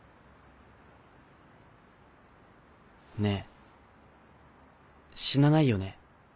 ねぇ死なないよね？